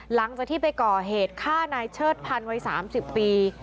หลังจากที่ไปก่อเหตุฆ่านายเชิดพันธ์วัย๓๐ปี